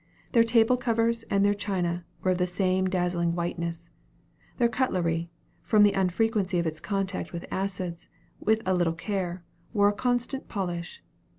Their table covers and their China were of the same dazzling whiteness. Their cutlery, from the unfrequency of its contact with acids, with a little care, wore a constant polish.